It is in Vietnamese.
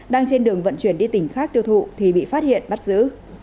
đang trên đường vận chuyển đi tỉnh khác tiêu thụ thì bị phát hiện bắt giữ